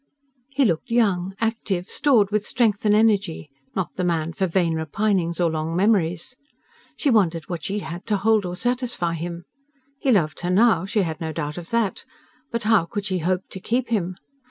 He looked young, active, stored with strength and energy; not the man for vain repinings or long memories. She wondered what she had to hold or satisfy him. He loved her now; she had no doubt of that; but how could she hope to keep him?